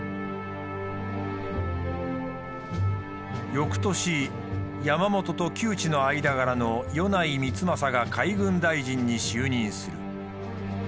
翌年山本と旧知の間柄の米内光政が海軍大臣に就任する。